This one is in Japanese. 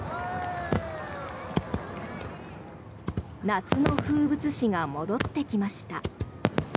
夏の風物詩が戻ってきました。